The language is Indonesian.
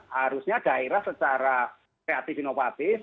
harusnya daerah secara kreatif inovatif